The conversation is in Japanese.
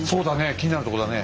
気になるとこだね。